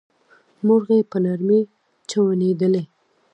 مرغۍ په نرمۍ چوڼيدلې.